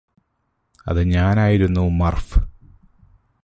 അത് ഞാനായിരുന്നു മര്ഫ്